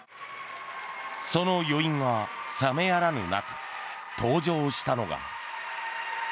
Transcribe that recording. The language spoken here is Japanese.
その余韻は冷めやらぬ中登場したのが。